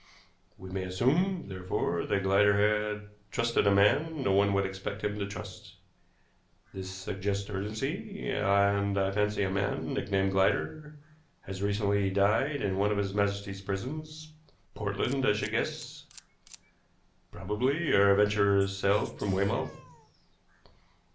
We may assume, therefore, that Glider had trusted a man no one would expect him to trust. This suggests urgency, and I fancy a man, nicknamed Glider, has recently died in one of His Majesty's prisons Portland I should guess. Probably our adventurers sailed from Weymouth.